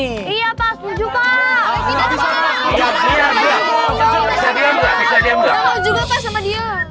iya pak setuju pak